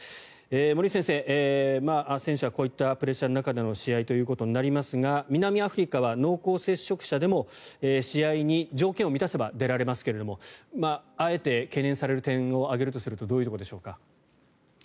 森内先生、選手はこういったプレッシャーの中での試合となりますが南アフリカは濃厚接触者でも試合に、条件を満たせば出られますがあえて懸念される点を挙げるとするとどういうところでしょうか。